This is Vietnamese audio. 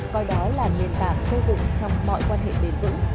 coi đó là nền tảng xây dựng trong mọi quan hệ bền vững